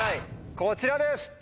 こちらです！